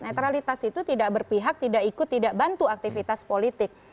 netralitas itu tidak berpihak tidak ikut tidak bantu aktivitas politik